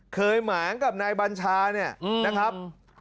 หมางกับนายบัญชาเนี่ยนะครับ